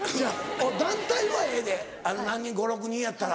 団体はええで５６人やったら。